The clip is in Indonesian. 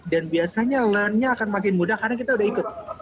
dan biasanya learn nya akan makin mudah karena kita sudah ikut